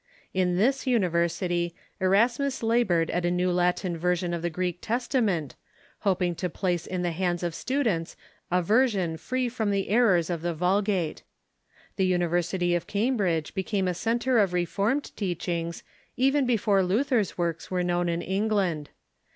At this university, Erasmus labored at a new Latin version of tlie Greek Testament, hoping to place in the liands of students a version free from the errors of the Vulgate. The University of Cambridge became a centre of Reformed teachings even before Luther's works were known in England.